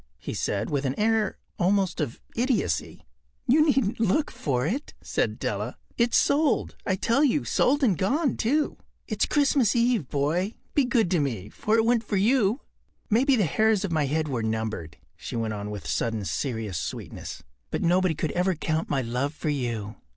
” he said, with an air almost of idiocy. “You needn’t look for it,” said Della. “It’s sold, I tell you—sold and gone, too. It’s Christmas Eve, boy. Be good to me, for it went for you. Maybe the hairs of my head were numbered,” she went on with sudden serious sweetness, “but nobody could ever count my love for you.